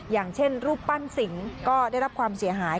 อย่างเช่นรูปปั้นสิงก็ได้รับความเสียหาย